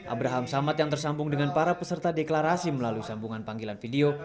abraham samad yang tersambung dengan para peserta deklarasi melalui sambungan panggilan video